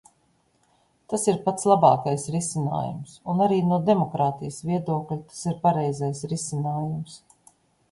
Tas ir pats labākais risinājums, un arī no demokrātijas viedokļa tas ir pareizais risinājums.